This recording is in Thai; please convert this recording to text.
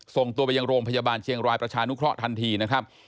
ส่งตัวไปยังโรงพยาบาลเชียงรายประชานุเคราะห์ทันทีนะครับ